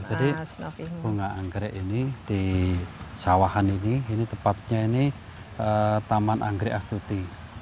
jadi bunga anggrek ini di sawahan ini ini tepatnya ini taman anggrek astuti